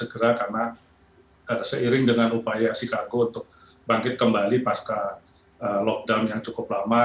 karena seiring dengan upaya chicago untuk bangkit kembali pasca lockdown yang cukup lama